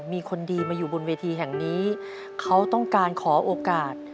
มีคนดีมาอยู่บนเวทีแห่งนี้เขาต้องการขอโอกาส